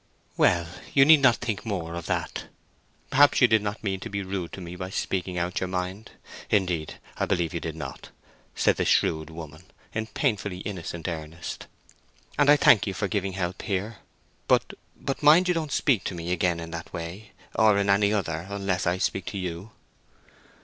"Well, you need not think more of that: perhaps you did not mean to be rude to me by speaking out your mind: indeed, I believe you did not," said the shrewd woman, in painfully innocent earnest. "And I thank you for giving help here. But—but mind you don't speak to me again in that way, or in any other, unless I speak to you."